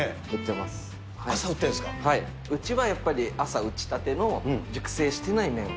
うちはやっぱり朝打ちたての熟成してない麺を。